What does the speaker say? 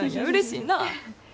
うれしいなあ。